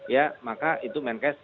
ya maka itu menkes